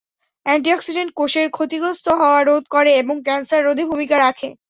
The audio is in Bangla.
অ্যান্টি–অক্সিডেন্ট কোষের ক্ষতিগ্রস্ত হওয়া রোধ করে এবং ক্যানসার রোধে ভূমিকা রাখে।